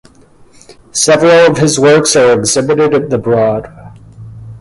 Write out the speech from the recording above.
Several of his works are exhibited at The Broad.